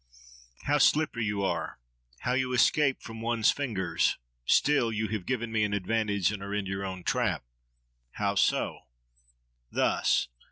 —How slippery you are; how you escape from one's fingers! Still, you have given me an advantage, and are in your own trap. —How so? —Thus!